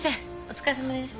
お疲れさまです。